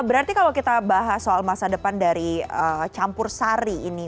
berarti kalau kita bahas soal masa depan dari campur sari ini